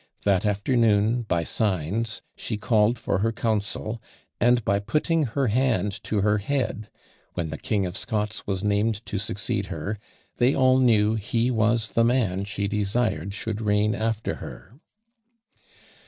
That afternoon, by signs, she called for her council, and by putting her hand to her head when the King of Scots was named to succeed her, they all knew he was the man she desired should reign after her."